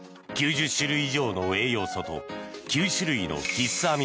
９０種類以上の栄養素と９種類の必須